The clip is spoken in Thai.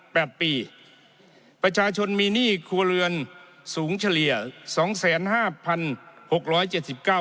แปดปีประชาชนมีหนี้ครัวเรือนสูงเฉลี่ยสองแสนห้าพันหกร้อยเจ็ดสิบเก้า